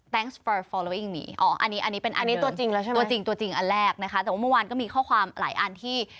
ตัวจริงอันแรกนะคะแต่ว่าเมื่อวานก็มีข้อความหลายอันที่